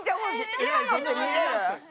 今のって見れる？